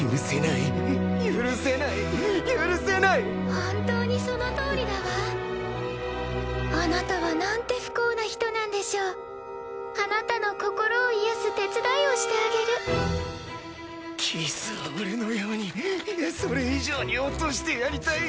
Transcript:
・本当にそのとおりだわあなたはなんて不幸な人なんでしょうあなたの心を癒やす手伝いをしてあげるキースを俺のようにいやそれ以上に落としてやりたい。